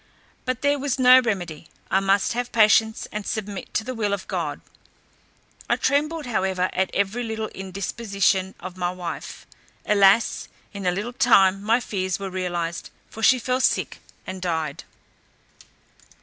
But there was no remedy; I must have patience, and submit to the will of God. I trembled however at every little indisposition of my wife. Alas! in a little time my fears were realized, for she fell sick, and died.